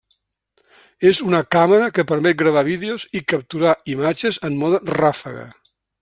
És una càmera que permet gravar vídeos i capturar imatges en mode ràfega.